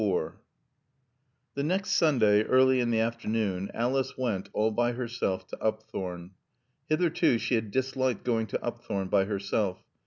XXIV The next Sunday, early in the afternoon, Alice went, all by herself, to Upthorne. Hitherto she had disliked going to Upthorne by herself.